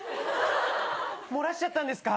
漏らしちゃったんですか？